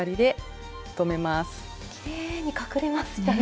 きれいに隠れますね。